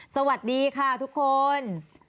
สวัสดีค่ะทุกคน